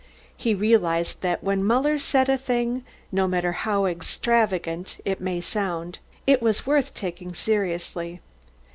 He realised that when Muller said a thing, no matter how extravagant it might sound, it was worth taking seriously.